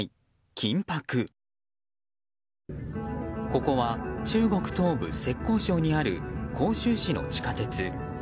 ここは中国東部・浙江省にある杭州市の地下鉄。